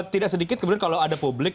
tidak sedikit kemudian kalau ada publik